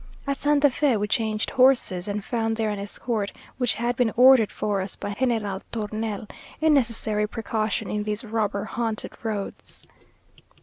At Santa Fe we changed horses, and found there an escort which had been ordered for us by General Tornel; a necessary precaution in these robber haunted roads.